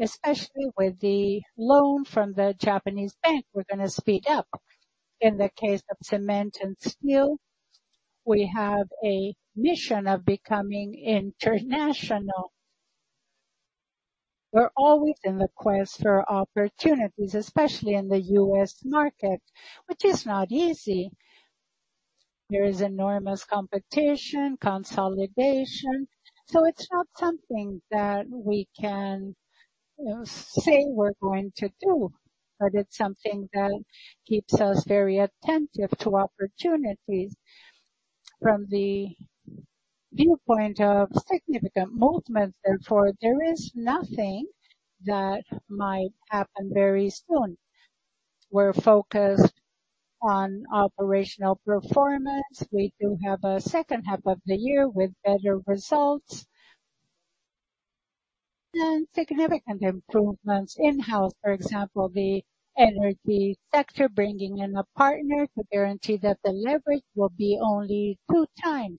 especially with the loan from the Japanese bank, we're gonna speed up. In the case of cement and steel, we have a mission of becoming international. We're always in the quest for opportunities, especially in the U.S. market, which is not easy. There is enormous competition, consolidation. It's not something that we can, you know, say we're going to do, but it's something that keeps us very attentive to opportunities. From the viewpoint of significant movements, therefore, there is nothing that might happen very soon. We're focused on operational performance. We do have a second half of the year with better results. Significant improvements in house, for example, the energy sector, bringing in a partner to guarantee that the leverage will be only 2x.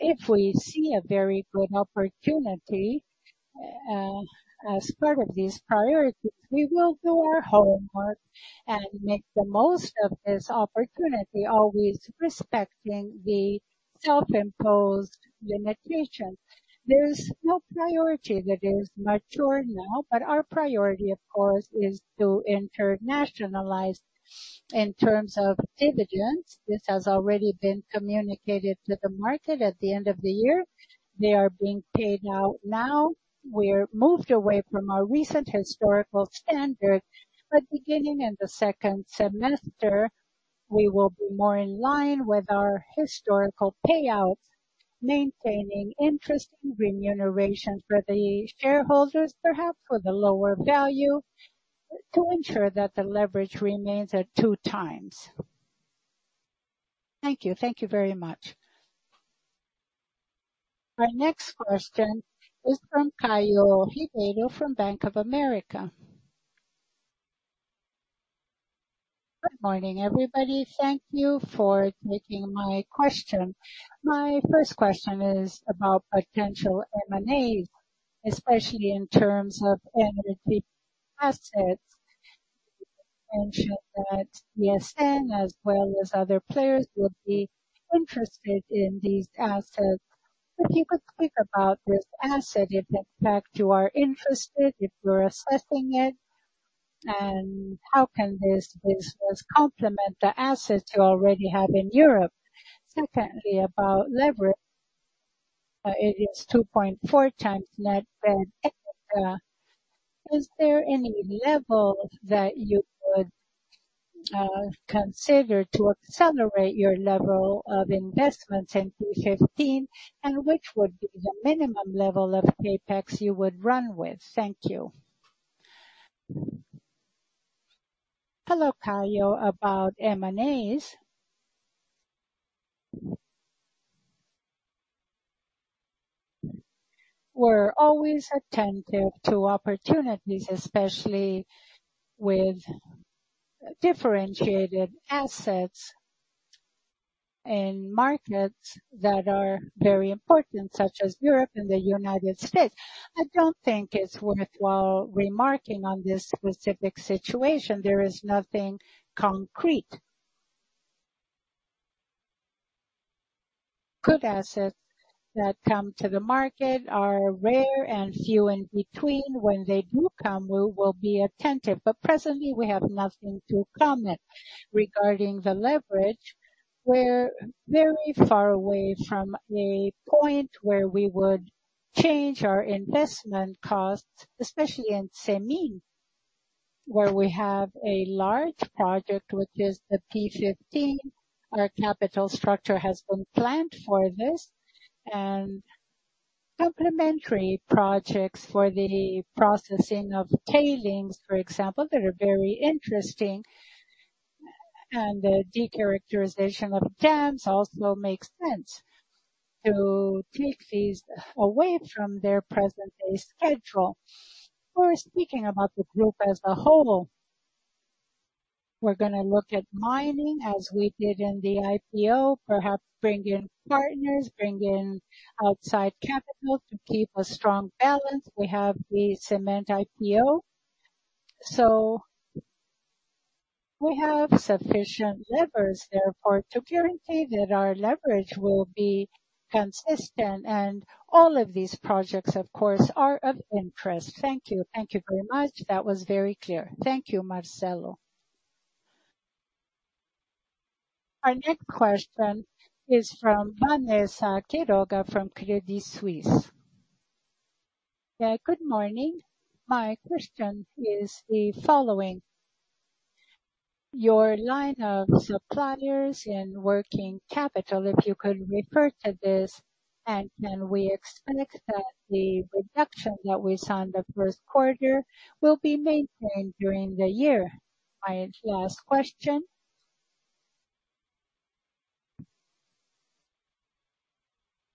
If we see a very good opportunity, as part of these priorities, we will do our homework and make the most of this opportunity, always respecting the self-imposed limitations. There's no priority that is mature now. Our priority, of course, is to internationalize. In terms of dividends, this has already been communicated to the market at the end of the year. They are being paid out now. We're moved away from our recent historical standard. Beginning in the second semester we will be more in line with our historical payouts, maintaining interest in remuneration for the shareholders, perhaps for the lower value, to ensure that the leverage remains at 2x. Thank you. Thank you very much. Our next question is from Caio Ribeiro from Bank of America. Good morning, everybody. Thank you for taking my question. My first question is about potential M&As, especially in terms of energy assets. You mentioned that CSN as well as other players will be interested in these assets. Could you be quick about this asset if in fact you are interested, if you're assessing it, and how can this business complement the assets you already have in Europe? About leverage. It is 2.4xNet Debt/EBITDA. Is there any level that you would consider to accelerate your level of investments in 215? Which would be the minimum level of CapEx you would run with? Thank you. Hello, Caio. About M&As. We're always attentive to opportunities, especially with differentiated assets in markets that are very important, such as Europe and the United States. I don't think it's worthwhile remarking on this specific situation. There is nothing concrete. Good assets that come to the market are rare and few in between. When they do come, we will be attentive. Presently, we have nothing to comment. Regarding the leverage, we're very far away from a point where we would change our investment costs, especially in Cemig, where we have a large project, which is the P15. Our capital structure has been planned for this and complementary projects for the processing of tailings, for example, that are very interesting. The decharacterization of dams also makes sense to take these away from their present-day schedule. We're speaking about the group as a whole. We're going to look at mining as we did in the IPO, perhaps bring in partners, bring in outside capital to keep a strong balance. We have the cement IPO, so we have sufficient levers therefore to guarantee that our leverage will be consistent. All of these projects of course are of interest. Thank you. Thank you very much. That was very clear. Thank you, Marcelo. Our next question is from Vanessa Quiroga from Credit Suisse. Yeah, good morning. My question is the following. Your line of suppliers and working capital, if you could refer to this, and can we expect that the reduction that we saw in the first quarter will be maintained during the year? My last question.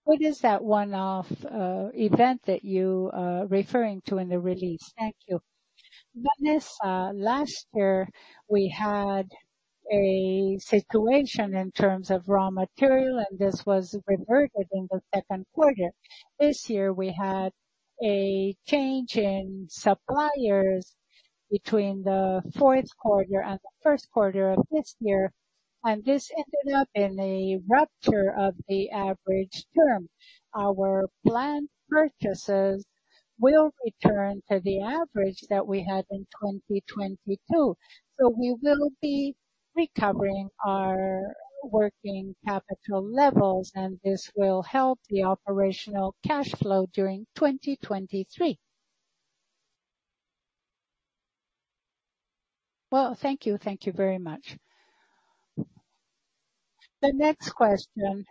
What is that one-off event that you are referring to in the release? Thank you. Vanessa, last year we had a situation in terms of raw material. This was reverted in the second quarter. This year we had a change in suppliers between the fourth quarter and the first quarter of this year. This ended up in a rupture of the average term. Our planned purchases will return to the average that we had in 2022. We will be recovering our working capital levels and this will help the operational cash flow during 2023. Well, thank you. Thank you very much. The next question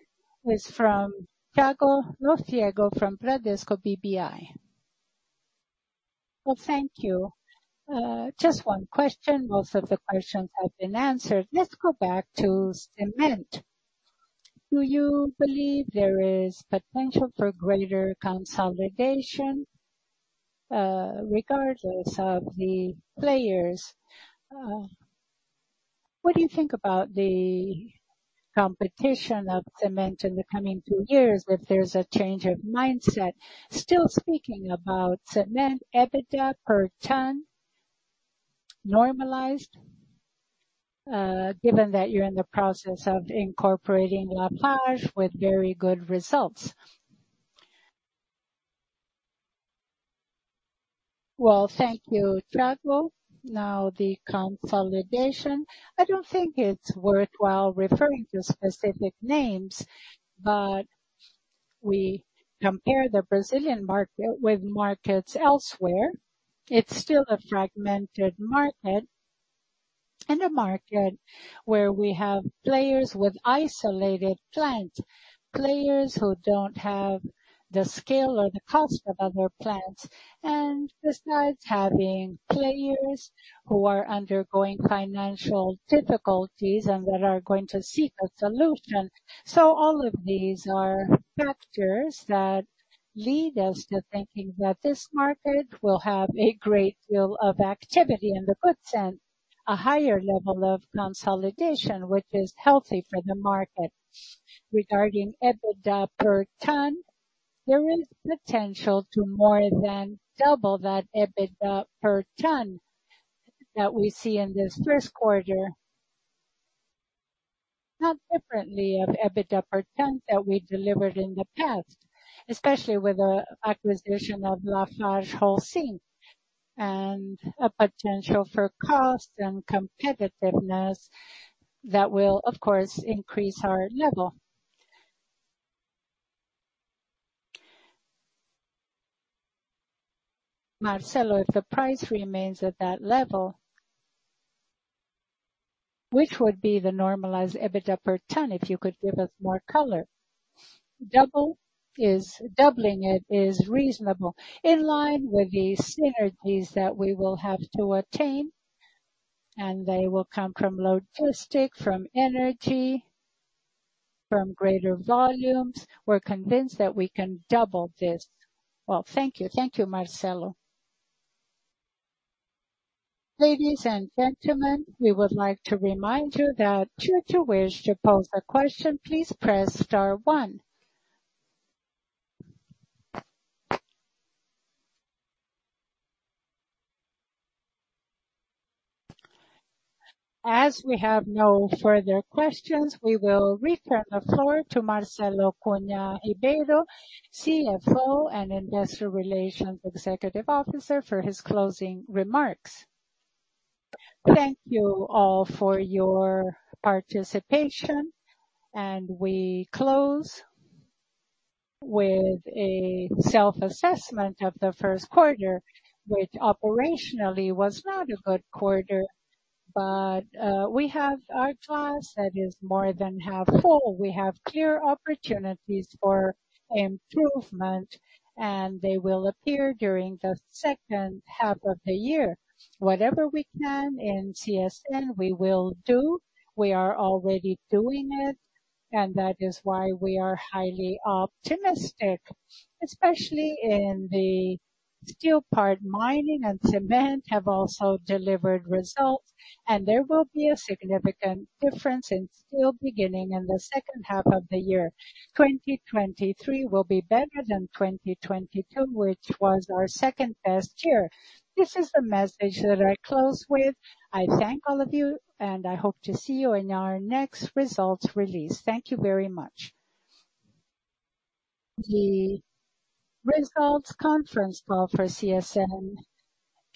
is from Thiago Lofiego from Bradesco BBI. Well, thank you. Just one question. Most of the questions have been answered. Let's go back to cement. Do you believe there is potential for greater consolidation, regardless of the players? What do you think about the competition of cement in the coming two years if there's a change of mindset? Still speaking about cement, EBITDA per ton normalized, given that you're in the process of incorporating Lafarge with very good results. Thank you, Thiago. Now the consolidation. I don't think it's worthwhile referring to specific names, but we compare the Brazilian market with markets elsewhere. It's still a fragmented market and a market where we have players with isolated plants, players who don't have the scale or the cost of other plants. Besides having players who are undergoing financial difficulties and that are going to seek a solution. All of these are factors that lead us to thinking that this market will have a great deal of activity in the good sense, a higher level of consolidation, which is healthy for the market. Regarding EBITDA per ton, there is potential to more than double that EBITDA per ton that we see in this first quarter. Not differently of EBITDA per ton that we delivered in the past, especially with the acquisition of LafargeHolcim and a potential for cost and competitiveness that will, of course, increase our level. Marcelo, if the price remains at that level, which would be the normalized EBITDA per ton, if you could give us more color. Doubling it is reasonable, in line with the synergies that we will have to attain, and they will come from logistics, from energy, from greater volumes. We're convinced that we can double this. Thank you. Thank you, Marcelo. Ladies and gentlemen, we would like to remind you that should you wish to pose a question, please press star one. As we have no further questions, we will return the floor to Marcelo Cunha Ribeiro, CFO and Investor Relations Executive Officer for his closing remarks. Thank you all for your participation. We close with a self-assessment of the first quarter, which operationally was not a good quarter. We have our glass that is more than half full. We have clear opportunities for improvement. They will appear during the second half of the year. Whatever we can in CSN, we will do. We are already doing it. That is why we are highly optimistic, especially in the steel part. Mining and cement have also delivered results. There will be a significant difference in steel beginning in the second half of the year. 2023 will be better than 2022, which was our second-best year. This is the message that I close with. I thank all of you, and I hope to see you in our next results release. Thank you very much. The results conference call for CSN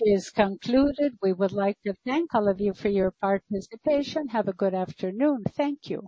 is concluded. We would like to thank all of you for your participation. Have a good afternoon. Thank you.